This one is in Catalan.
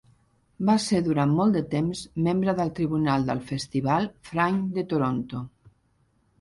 Va ser durant molt de temps membre del tribunal del festival Fringe de Toronto.